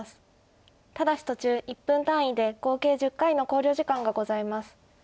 ただし途中１分単位で合計１０回の考慮時間がございます。